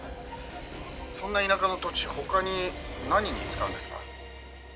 「そんな田舎の土地他に何に使うんですか？」